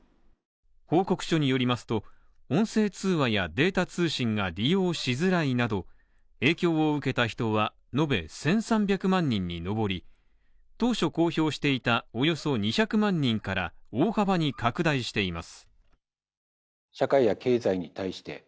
報告書によりますと、音声通話やデータ通信が利用しづらいなど、影響を受けた人は延べ１３００万人に上り、当初公表していたおよそ２００万人から大幅に拡大しています。